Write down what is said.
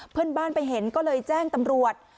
เพื่อนบ้านไปเห็นก็เลยแจ้งตำรวจ